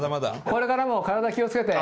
これからも体気を付けて。